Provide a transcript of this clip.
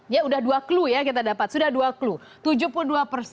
ya sudah dua clue ya kita dapat sudah dua clue